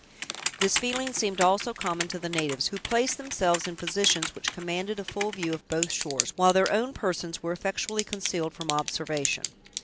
This feeling seemed also common to the natives, who placed themselves in positions which commanded a full view of both shores, while their own persons were effectually concealed from observation.